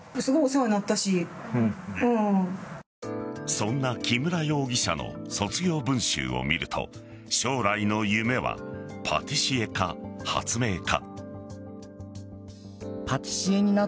そんな木村容疑者の卒業文集を見ると将来の夢はパティシエか発明家。